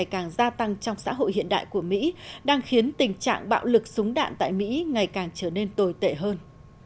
càng gia tăng trong xã hội hiện đại của mỹ đang khiến tình trạng bạo lực súng đạn tại mỹ ngày càng trở nên tồi tệ hơn